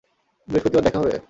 বৃহস্পতিবার দেখা হবে?